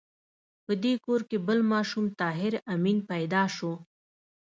په دې کور کې بل ماشوم طاهر آمین پیدا شو